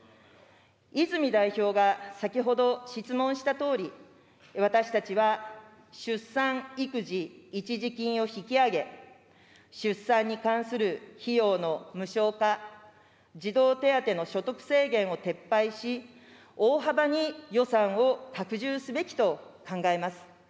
泉代表が先ほど質問したとおり、私たちは出産育児一時金を引き上げ、出産に関する費用の無償化、児童手当の所得制限を撤廃し、大幅に予算を拡充すべきと考えます。